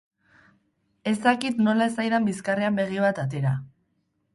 Ez dakit nola ez zaidan bizkarrean begi bat atera.